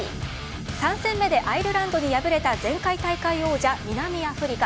３戦目でアイルランドに敗れた前回大会王者、南アフリカ。